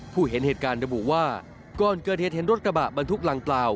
เห็นเหตุการณ์ระบุว่าก่อนเกิดเหตุเห็นรถกระบะบรรทุกลังกล่าว